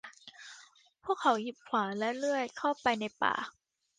พวกเขาหยิบขวานและเลื่อยเข้าไปในป่า